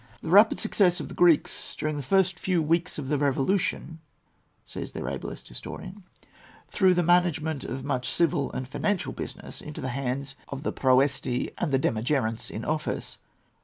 "The rapid success of the Greeks during the first few weeks of the revolution," says their ablest historian, "threw the management of much civil and financial business into the hands of the proësti and demogeronts in office.